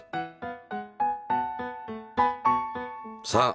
さあ